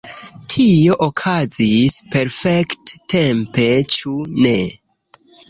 Tio okazis perfekt-tempe, ĉu ne?